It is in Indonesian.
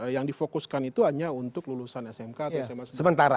yang difokuskan itu hanya untuk lulusan smk atau sma